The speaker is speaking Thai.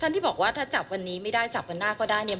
ที่บอกว่าถ้าจับวันนี้ไม่ได้จับวันหน้าก็ได้เนี่ย